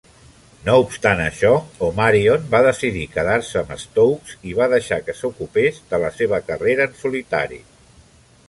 No obstant això, Omarion va decidir quedar-se amb Stokes i va deixar que s'ocupés de la seva carrera en solitari.